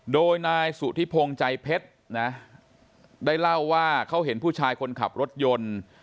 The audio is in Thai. โดยนายสุธิพงศ์ใจเพชรนะได้เล่าว่าเขาเห็นผู้ชายคนขับรถยนต์